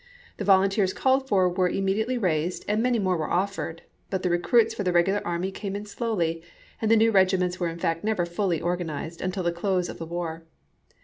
The volunteers called for were immediately raised and many more were offered; but the recruits for the regular army came in slowly, and the new regiments were in fact never fully organized until the close of the war.